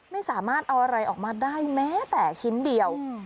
ไม่สามารถเอาอะไรออกมาได้แม้แต่ชิ้นเดียว